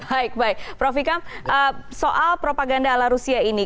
baik baik prof ikam soal propaganda ala rusia ini